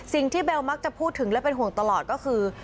เบลมักจะพูดถึงและเป็นห่วงตลอดก็คือ